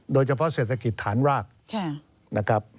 โดยเฉพาะเศรษฐกิจฐานราก